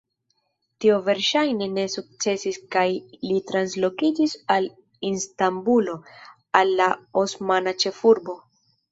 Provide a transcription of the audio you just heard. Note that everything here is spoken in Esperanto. Tio verŝajne ne sukcesis kaj li translokiĝis al Istanbulo, al la osmana ĉefurbo.